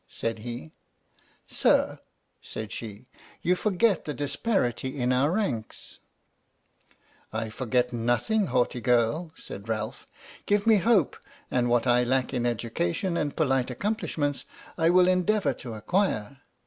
said he. "Sir," said she, " you forget the disparity in our ranks." " I forget nothing, haughty girl," said Ralph. " Give me hope, and what I lack in education and polite accomplishments, I will endeavour to acquire.